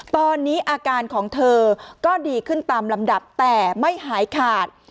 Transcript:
ตอนนี้อาการของเธอก็ดีขึ้นตามลำดับแต่ไม่หายขาด